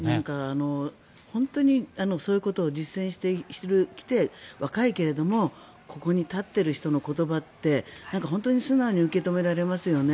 本当にそういうことを実践してきて若いけれどもここに立っている人の言葉って本当に素直に受け止められますよね。